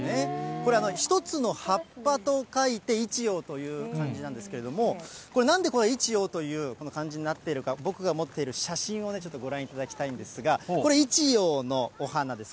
これ、一つの葉っぱと書いて一葉という漢字なんですけれども、これ、なんで一葉というこの漢字になってるか、僕が持っている写真をちょっとご覧いただきたいんですが、これ、一葉のお花です。